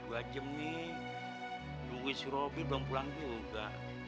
nah udah dua jam nih dwi si robby belum pulang juga